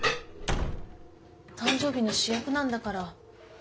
誕生日の主役なんだから。